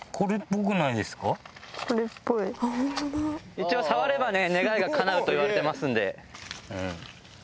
一応触ればね願いが叶うといわれてますんで。